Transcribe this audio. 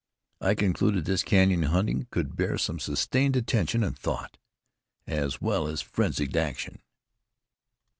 I concluded this canyon hunting could bear some sustained attention and thought, as well as frenzied action.